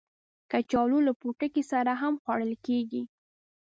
کچالو له پوټکي سره هم خوړل کېږي